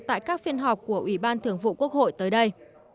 tại các phiên họp của ủy ban thường vụ quốc hội tới đây